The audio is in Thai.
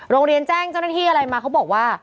โรงเรียนแจ้งเจ้าหน้าที่อะไรมาเขาบอกว่า